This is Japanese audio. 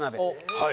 はい。